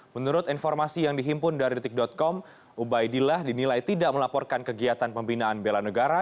menurut informasi yang dihimpun dari detik com ubaidillah dinilai tidak melaporkan kegiatan pembinaan bela negara